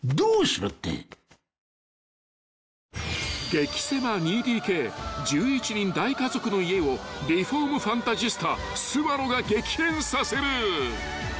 ［激狭２ＤＫ１１人大家族の家をリフォームファンタジスタスワロが激変させる］